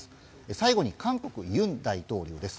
最後に韓国、尹大統領です。